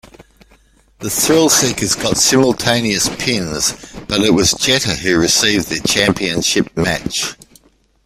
The Thrillseekers got simultaneous pins, but it was Jeter who received the championship match.